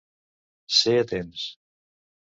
Ser a temps.